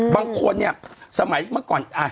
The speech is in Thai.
บางคนนี่สมัยมาก่อน